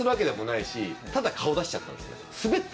ただ顔出しちゃったんですね。